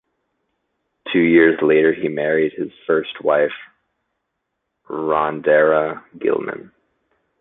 Two years later he married his first wife, Rhandera Gilman.